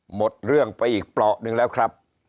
หมดเรื่องไปอีกปล่อนึงแล้วครับ